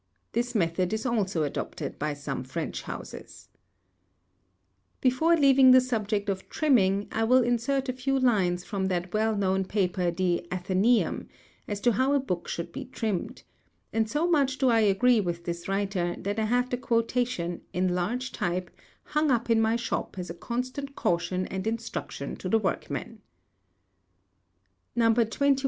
This method is also adopted by some French houses. Before leaving the subject of trimming, I will insert a few lines from that well known paper the "Athenæum," as to how a book should be trimmed; and so much do I agree with its writer, that I have the quotation, in large type, hung up in my shop as a constant caution and instruction to the workmen:— (_No.